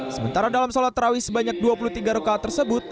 sementara dalam sholat terawih sebanyak dua puluh tiga rokal tersebut